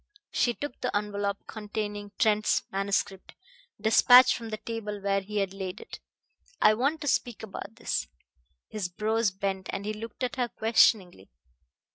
She took the envelop containing Trent's manuscript despatch from the table where he had laid it. "I want to speak about this." His brows bent, and he looked at her questioningly.